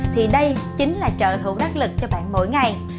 thì đây chính là trợ thủ đắc lực cho bạn mỗi ngày